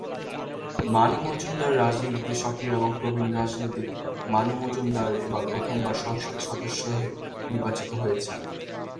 মানু মজুমদার রাজনীতিতে সক্রিয় এবং প্রবীণ রাজনৈতিক মানু মজুমদার এবার প্রথম বার সংসদ সদস্য নির্বাচিত হয়েছেন।